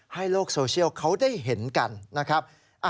โลกโซเชียลเขาได้เห็นกันนะครับ